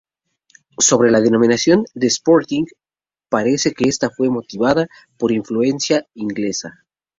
Sobre la denominación de Sporting, parece que esta fue motivada por influencia inglesa.